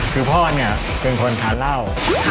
คือพ่อเนี่ยเป็นคนทานเหล้า